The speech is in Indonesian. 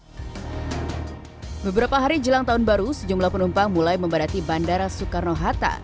hai beberapa hari jelang tahun baru sejumlah penumpang mulai membadati bandara soekarno hatta